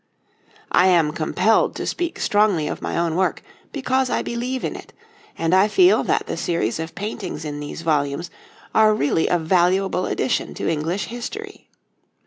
I am compelled to speak strongly of my own work because I believe in it, and I feel that the series of paintings in these volumes are really a valuable addition to English history.